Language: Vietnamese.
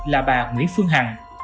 là bà nguyễn phương hằng